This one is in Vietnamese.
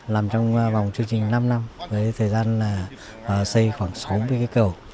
làm trong vòng chương trình năm năm với thời gian xây khoảng sáu mươi cầu